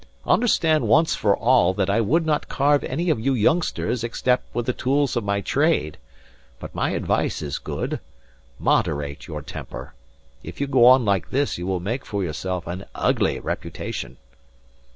Understand once for all that I would not carve any of you youngsters except with the tools of my trade. But my advice is good. Moderate your temper. If you go on like this you will make for yourself an ugly reputation."